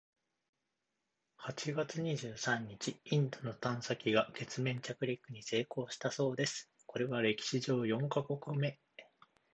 八月二十三日、インドの探査機が月面着陸に成功したそうです！（これは歴史上四カ国目！）